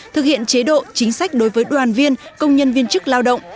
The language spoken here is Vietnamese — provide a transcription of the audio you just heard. thực hiện chế độ chính sách đối với đoàn viên công nhân viên chức lao động